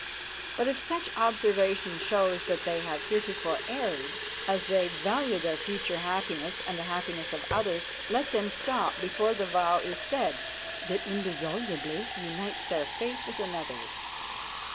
But if such observation shows that they have heretofore erred, as they value their future happiness and the happiness of others, let them stop before the vow is said that indissolubly unites their fate with another's.